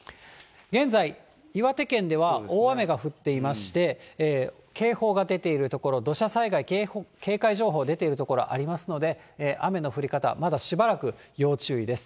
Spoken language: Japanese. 現在、岩手県では大雨が降っていまして、警報が出ている所、土砂災害警戒情報出ている所ありますので、雨の降り方、まだしばらく要注意です。